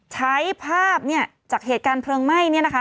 ใช้ภาพจากเหตุการณ์เพลิงไหม้